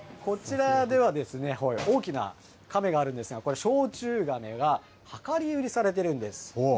さあ、こちらでは大きなかめがあるんですが、これ、焼酎がめで、量り売りされているんです。